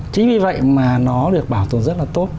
chính vì vậy mà nó được bảo tồn rất là tốt